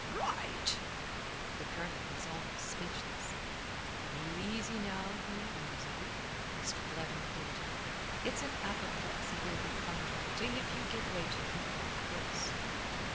"Right?" The Colonel was almost speechless. "Be easy, now, be easy!" Mr. Blood implored him. "It's an apoplexy ye'll be contacting if ye give way to heat like this."